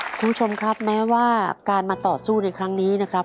คุณผู้ชมครับแม้ว่าการมาต่อสู้ในครั้งนี้นะครับ